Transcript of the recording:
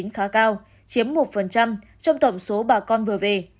khá cao chiếm một trong tổng số bà con vừa về